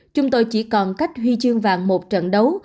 chúng tôi chỉ còn cách huy chương vàng một trận đấu